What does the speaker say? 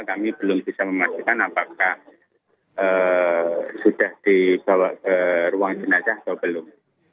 kami belum bisa memastikan apakah sudah dibawa ke ruang jenazah atau belum